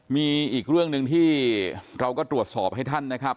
มีอีกเรื่องหนึ่งที่เราก็ตรวจสอบให้ท่านนะครับ